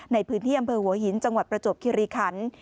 ในพื้นที่อำเภอหัวหินจังหวัดประจวบคิริคัน